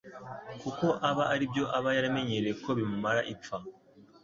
kuko aba aribyo aba yaramenyereye ko bimumara ipfa.